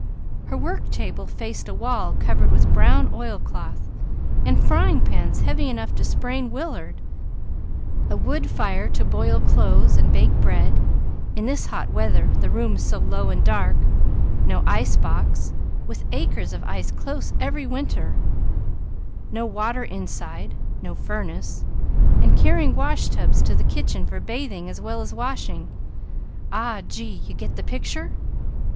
Her work table faced a wall covered with brown oilcloth, and frying pans heavy enough to sprain Willard, a wood fire to boil clothes and bake bread, in this hot weather, the room so low and dark, no ice box, with acres of ice close every winter, no water inside, no furnace, and carrying washtubs to the kitchen for bathing as well as washing, aw gee you get the picture?"